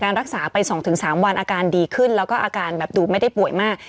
รักษาไป๒๓วันอาการดีขึ้นแล้วก็อาการแบบดูไม่ได้ป่วยมาก